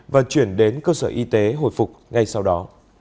và chuyển đến cơ sở y tế hồi phục ngay sau đó